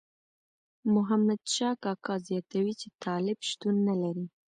محمد شاه کاکا زیاتوي چې طالب شتون نه لري.